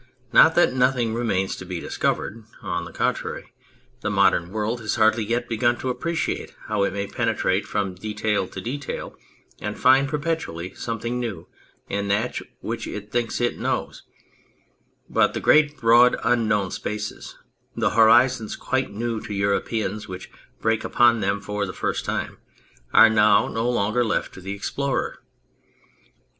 Not that nothing remains to be discovered : on the contrary, the modern world has hardly yet begun to appreciate how it may penetrate from detail to detail and find perpetually something new in that which it thinks it knows, but the great broad unknown spaces, the horizons quite new to Europeans which break upon them for the first time, are now no longer left to the explorer.